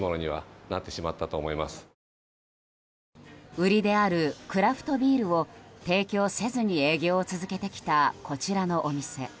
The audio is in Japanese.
売りであるクラフトビールを提供せずに営業を続けてきたこちらのお店。